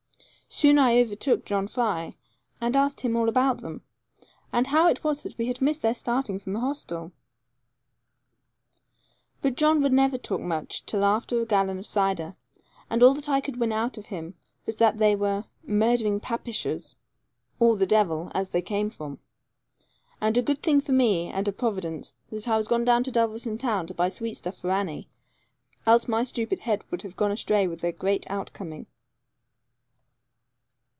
Soon I overtook John Fry, and asked him all about them, and how it was that we had missed their starting from the hostel. But John would never talk much till after a gallon of cider; and all that I could win out of him was that they were 'murdering Papishers,' and little he cared to do with them, or the devil, as they came from. And a good thing for me, and a providence, that I was gone down Dulverton town to buy sweetstuff for Annie, else my stupid head would have gone astray with their great out coming.